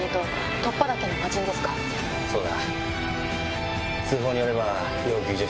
そうだ。